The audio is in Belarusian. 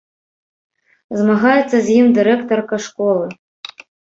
Змагаецца з ім дырэктарка школы.